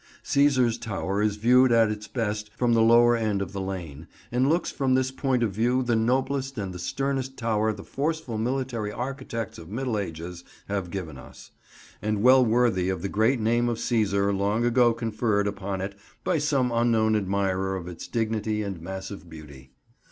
Cæsar's Tower is viewed at its best from the lower end of the lane, and looks from this point of view the noblest and the sternest tower the forceful military architects of the Middle Ages have given us, and well worthy of the great name of Cæsar long ago conferred upon it by some unknown admirer of its dignity and massive beauty.